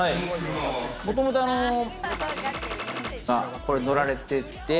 もともとあのが、これ乗られてて。